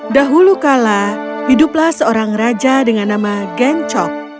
dahulu kala hiduplah seorang raja dengan nama gencok